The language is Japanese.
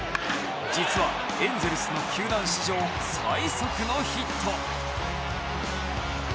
実はエンゼルスの球団史上最速のヒット。